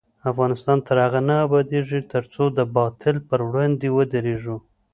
افغانستان تر هغو نه ابادیږي، ترڅو د باطل پر وړاندې ودریږو.